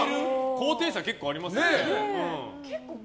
高低差、結構ありますよ。